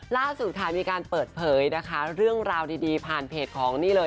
ล่าสุดค่ะมีการเปิดเผยนะคะเรื่องราวดีผ่านเพจของนี่เลย